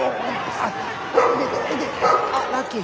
あっラッキー。